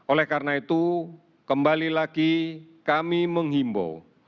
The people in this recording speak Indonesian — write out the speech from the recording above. oleh karena itu kembali lagi kami menghimbau